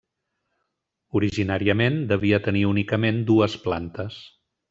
Originàriament devia tenir únicament dues plantes.